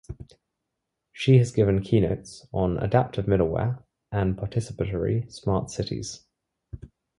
She has given keynotes on adaptive middleware and participatory smart cities.